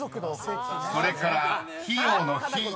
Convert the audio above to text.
［それから費用の「費」］